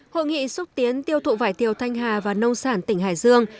hội nghị xúc tiến tiêu thụ vải thiều thanh hà và nông sản tỉnh hải dương